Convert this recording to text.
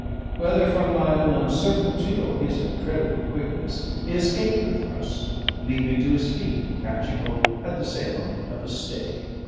Whether from my own uncertainty or his incredible quickness, he escaped the thrust, leaping to his feet and catching hold at the same moment of a stay.